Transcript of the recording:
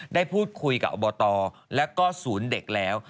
ได้พูดคุยกับอบตและก็ศูนย์เด็กแล้ว